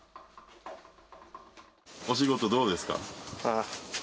お仕事どうですか？